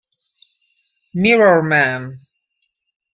Mirror Man